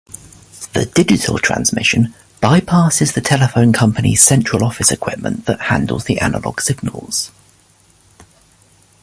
The digital transmission bypasses the telephone company's central office equipment that handles analogue signals.